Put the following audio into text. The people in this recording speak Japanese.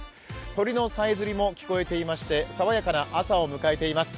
鳥のさえずりも聞こえていまして爽やかな朝を迎えています。